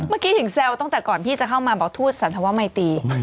เมื่อกี้ถึงแซวตั้งแต่ก่อนพี่จะเข้ามาบอกทูตสันธวมัยตี